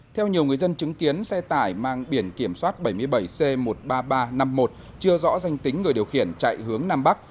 theo nhiều người dân chứng kiến xe tải mang biển kiểm soát bảy mươi bảy c một mươi ba nghìn ba trăm năm mươi một chưa rõ danh tính người điều khiển chạy hướng nam bắc